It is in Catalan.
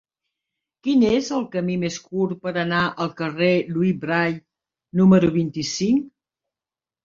Quin és el camí més curt per anar al carrer de Louis Braille número vint-i-cinc?